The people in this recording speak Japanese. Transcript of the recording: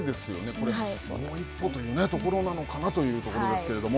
これもう一歩のところなのかなというところですけれども。